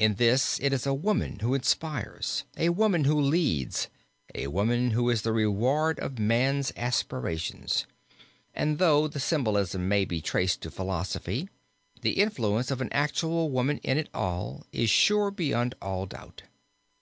In this it is a woman who inspires, a woman who leads, a woman who is the reward of man's aspirations, and though the symbolism may be traced to philosophy, the influence of an actual woman in it all is sure beyond all doubt.